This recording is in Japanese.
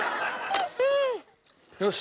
よし。